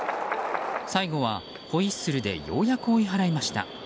最後はホイッスルでようやく追い払いました。